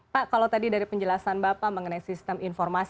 pak kalau tadi dari penjelasan bapak mengenai sistem informasi